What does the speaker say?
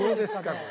これ。